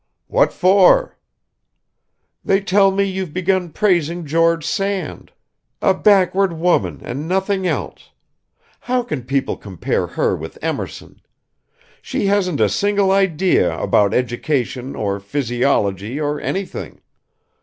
"What for?" "They tell me you've begun praising George Sand. A backward woman and nothing else! How can people compare her with Emerson? She hasn't a single idea about education or physiology or anything.